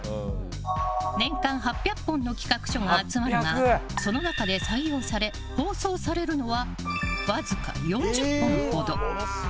年間８００本の企画書が集まるがその中で採用され放送されるのはわずか４０本ほど。